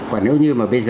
và nếu như mà bây giờ